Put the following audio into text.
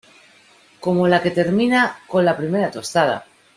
como la que termina con la primera tostada